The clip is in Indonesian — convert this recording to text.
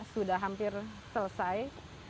sudah hampir selesai